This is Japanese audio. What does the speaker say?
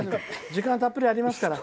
時間はたっぷりありますから。